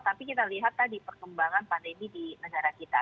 tapi kita lihat tadi perkembangan pandemi di negara kita